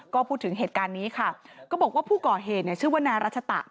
ก็พูดถึงเหตุการณ์นี้ค่ะก็บอกว่าผู้ก่อเหตุเนี่ยชื่อว่านายรัชตะ